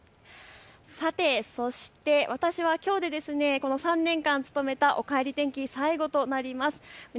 さて、私はきょうで３年間務めたおかえり天気、最後となります。